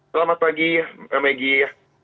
selamat pagi maggie